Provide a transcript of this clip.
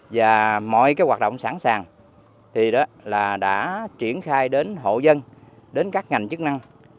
và mọi hoạt động sẵn sàng thì đã triển khai đến hộ dân đến các ngành chức năng